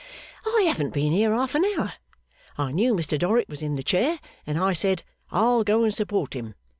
'I haven't been here half an hour. I knew Mr Dorrit was in the chair, and I said, "I'll go and support him!"